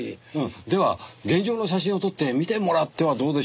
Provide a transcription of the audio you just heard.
では現状の写真を撮って見てもらってはどうでしょうね？